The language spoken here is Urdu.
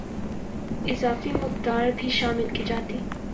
اضافی مقدار بھی شامل کی جاتی